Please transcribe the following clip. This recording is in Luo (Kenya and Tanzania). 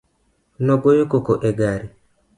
Nogoyo koko e gari.